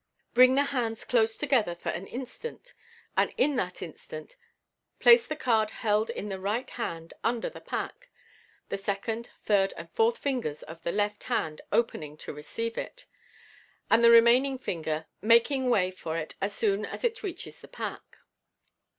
Bring the hands close together for an instant, and in that instant place the card held in the right hand under the pack, (the second, third, and fourth fingers of the left hand opening to receive it, and the remaining finger making way for it as soon as it reaches the pack).